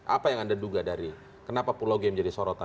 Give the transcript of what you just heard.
apa yang anda duga dari kenapa pulau g menjadi sorotan